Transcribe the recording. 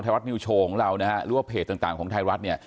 รัฐนิวโชว์ของเรานะฮะหรือว่าเพจต่างของไทยรัฐเนี่ย